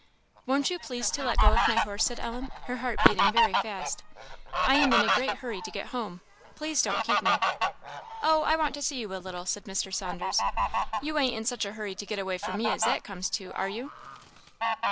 "Won't you please to let go of my horse," said Ellen, her heart beating very fast "I am in a great hurry to get home please don't keep me." "Oh, I want to see you a little," said Mr. Saunders "you ain't in such a hurry to get away from me as that comes to, are you?"